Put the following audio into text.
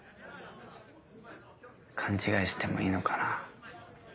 勘違いしてもいいのかな。